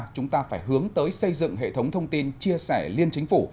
chúng ta phải hướng tới xây dựng hệ thống thông tin chia sẻ liên chính phủ